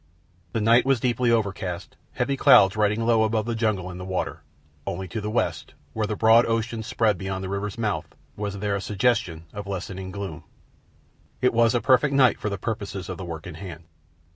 The night was deeply overcast, heavy clouds riding low above the jungle and the water—only to the west, where the broad ocean spread beyond the river's mouth, was there a suggestion of lessening gloom. It was a perfect night for the purposes of the work in hand.